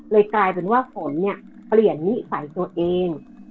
กลายเป็นว่าฝนเนี่ยเปลี่ยนนิสัยตัวเอง